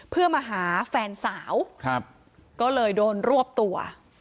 เพื่อมาหาแฟนสาวก็เลยโดนรวบตัว